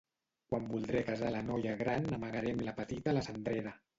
Quan voldré casar la noia gran amagarem la petita a la cendrera.